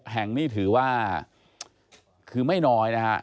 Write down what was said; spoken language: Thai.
แห่งนี้ถือว่าคือไม่น้อยนะฮะ